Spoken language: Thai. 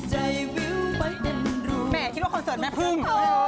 แหม่คิดว่าคอนเสิร์ตแหม่พึ่ง